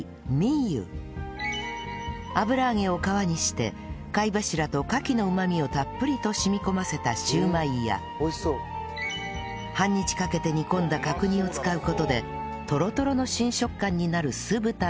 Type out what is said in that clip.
油揚げを皮にして貝柱と牡蠣のうまみをたっぷりと染み込ませた焼売や半日かけて煮込んだ角煮を使う事でトロトロの新食感になる酢豚など